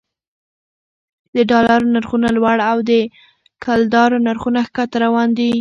د ډالرو نرخونه لوړ او د کلدارو نرخونه ښکته روان دي